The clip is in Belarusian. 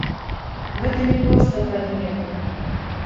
Гэта не проста прадметы.